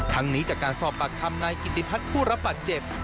ทั้งนี้จากการสอบปรักษณ์ทำในกิติพัดผู้รับปัดเจ็บ